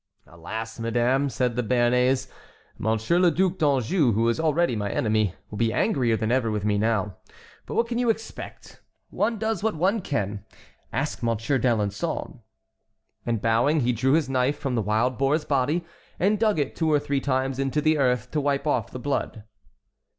"Alas, madame," said the Béarnais, "Monsieur le Duc d'Anjou, who is already my enemy, will be angrier than ever at me. But what can you expect? One does what one can. Ask Monsieur d'Alençon." And bowing, he drew his knife from the wild boar's body and dug it two or three times into the earth to wipe off the blood.